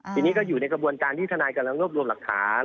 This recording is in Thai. ทีนี้ก็อยู่ในกระบวนการที่ทนายกำลังรวบรวมหลักฐาน